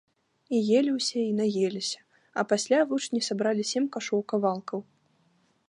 І елі ўсе і наеліся, а пасля вучні сабралі сем кашоў кавалкаў.